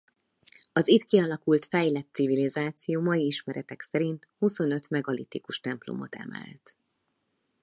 Az itt kialakult fejlett civilizáció mai ismeretek szerint huszonöt megalitikus templomot emelt.